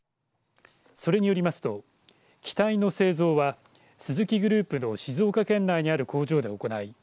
それによりますと機体の製造はスズキグループの静岡県内にある工場で行い